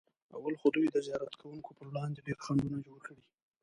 اول خو دوی د زیارت کوونکو پر وړاندې ډېر خنډونه جوړ کړي.